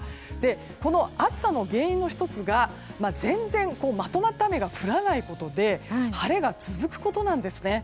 この暑さの原因の１つが全然まとまった雨が降らないことで晴れが続くことなんですね。